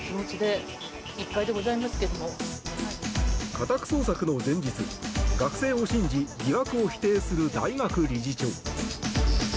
家宅捜索の前日、学生を信じ疑惑を否定する大学理事長。